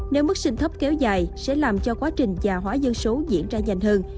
nếu mức sinh thấp kéo dài sẽ làm cho quá trình già hóa dân số diễn ra nhanh hơn